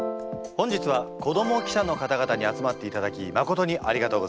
本日は子ども記者の方々に集まっていただきまことにありがとうございます。